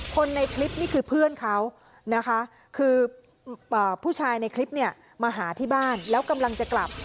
คนในคลิปนี่คือเพื่อนเขานะคะคือผู้ชายในคลิปเนี่ยมาหาที่บ้านแล้วกำลังจะกลับ